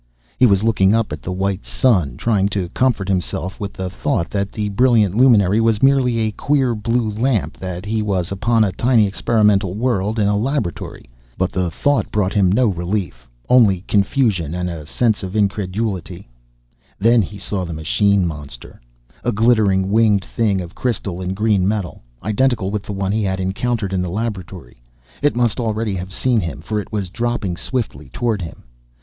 He was looking up at the white "sun," trying to comfort himself with the thought that the brilliant luminary was merely a queer blue lamp, that he was upon a tiny experimental world in a laboratory. But the thought brought him no relief; only confusion and a sense of incredulity. Then he saw the machine monster. A glittering, winged thing of crystal and green metal, identical with the one he had encountered in the laboratory. It must already have seen him, for it was dropping swiftly toward him.